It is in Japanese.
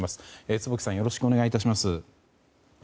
坪木さんよろしくお願いします。